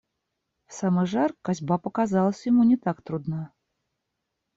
В самый жар косьба показалась ему не так трудна.